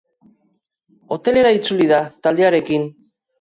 Hotelera itzuli da taldearekin.